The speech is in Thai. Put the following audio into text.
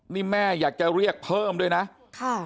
นี่แม่อยากจะเรียกเพิ่มด้วยนะค่ะ